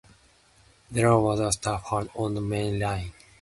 There was a staff halt on the main line.